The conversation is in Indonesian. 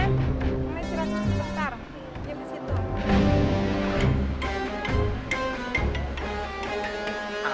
nanti saya langsung sekejap